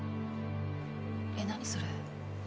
えっ何それ。